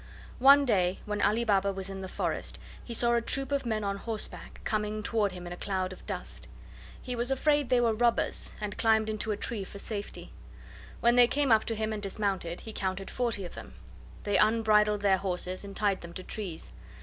One day, when Ali Baba was in the forest, he saw a troop of men on horseback, coming toward him in a cloud of dust. He was afraid they were robbers, and climbed into a tree for safety. When they came up to him and dismounted, he counted forty of them. They unbridled their horses and tied them to trees.